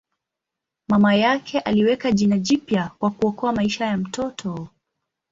Mama yake aliweka jina jipya kwa kuokoa maisha ya mtoto.